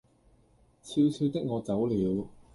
悄悄的我走了